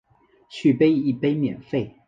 续杯一杯免费